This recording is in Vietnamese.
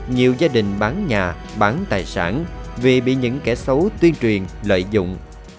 nhiều gia đình bán nhà bán tài sản vì bị những kẻ xấu tuyên truyền lợi dụng